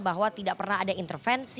bahwa tidak pernah ada intervensi dari istri